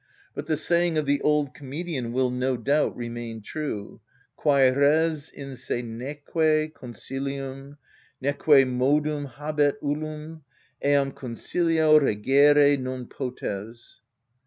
But the saying of the old comedian will, no doubt, remain true: "_Quæ res in se __ neque consilium, neque modum habet ullum, eam consilio regere non potes.